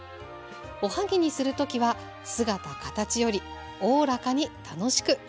おはぎにする時は姿形よりおおらかに楽しく。